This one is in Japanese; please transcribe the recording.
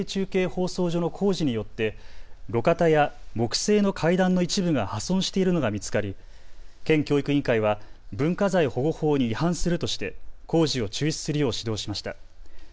放送所の工事によって路肩や木製の階段の一部が破損しているのが見つかり県教育委員会は文化財保護法に違反するとして工事を中止を指導しました。